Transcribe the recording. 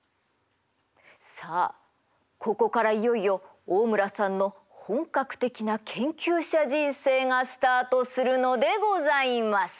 さあここからいよいよ大村さんの本格的な研究者人生がスタートするのでございます。